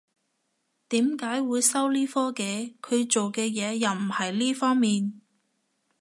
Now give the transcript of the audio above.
點解會收呢科嘅？佢做嘅嘢又唔係呢方面